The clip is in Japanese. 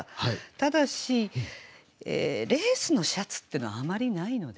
ただしレースのシャツってのはあまりないので。